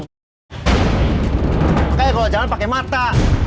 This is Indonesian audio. makanya kalau jalan pake mata